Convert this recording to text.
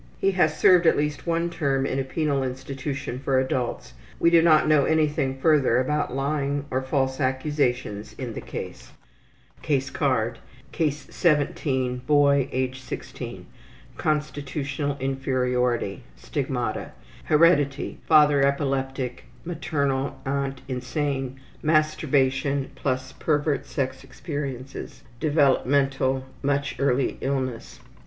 He has served at least one term in a penal institution for adults. We do not know anything further about lying or false accusations in the case. Constitutional inferiority: Stigmata. Case 17. Mentality. Boy, age 16. Heredity: Father epileptic. Maternal aunt insane. Masturbation plus. Pervert sex experiences. Developmental: Much early illness.